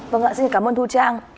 vâng ạ xin cảm ơn thu trang